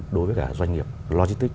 đối với doanh nghiệp logistics